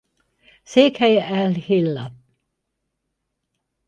Székhelye el-Hilla.